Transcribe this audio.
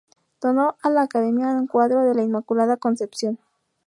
Donó a la academia un cuadro de la Inmaculada Concepción.